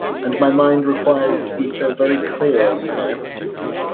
And my mind requires to be so very clear, you know!